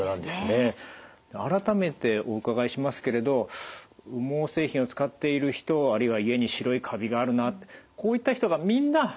改めてお伺いしますけれど羽毛製品を使っている人あるいは家に白いカビがあるなこういった人がみんな過敏性肺炎になるわけではないってことなんですね？